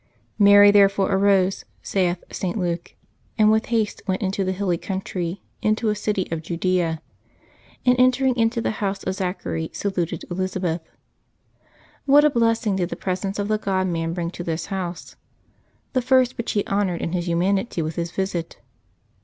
" Mary therefore arose/^ saith St. Luke, " and with haste went into the hilly country into a city of Judea, and entering into the house of Zachary, saluted Elizabeth.'^ What a blessing did the presence of the God man bring to this house, the first which He hon ored in His humanity with His visit!